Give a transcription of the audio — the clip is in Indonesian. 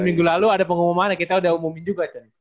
minggu lalu ada pengumumannya kita udah umumin juga cen